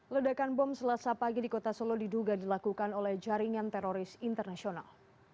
ledakan bom selasa pagi di kota solo diduga dilakukan oleh jaringan teroris internasional